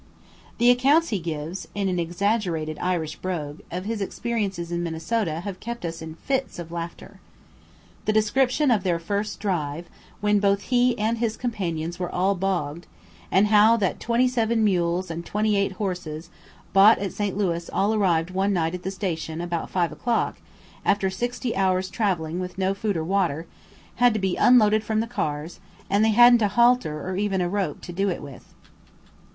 The accounts he gives, in an exaggerated Irish brogue, of his experiences in Minnesota have kept us in fits of laughter. The description of their first drive, when both he and his companions were all bogged; and how that twenty seven mules and twenty eight horses bought at St. Louis all arrived one night at the station about 5 o'clock, after sixty hours' travelling with no food or water, had to be unloaded from the cars, and they hadn't a halter or even a rope to do it with.